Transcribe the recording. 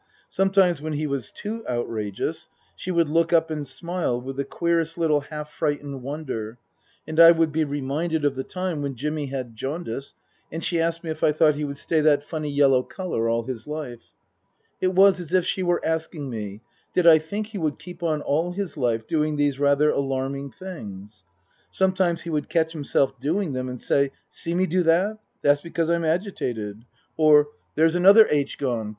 Sometimes, when he was too outrageous, she would look up and smile with the queerest little half frightened wonder, and I would be reminded of the time when Jimmy had jaundice and she asked me if I thought he would stay that funny yellow colour all his life ? It was as if she were asking me, Did I think he would keep on all his life doing these rather alarming things ? Some times he would catch himself doing them and say, " See me do that ? That's because I'm agitated." Or, " There's 172 Tasker Jevons another aitch gone.